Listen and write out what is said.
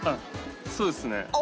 そうですね。